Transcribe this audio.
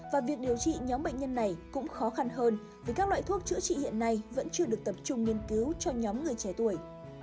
và việc điều trị nhóm bệnh nhân này cũng khó khăn hơn vì các loại thuốc chữa trị hiện nay vẫn chưa được tập trung nghiên cứu cho nhóm người trẻ tuổi